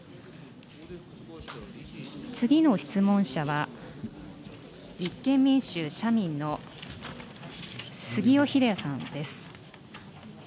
次の質問者は、立憲民主・社民の杉尾秀哉さんです。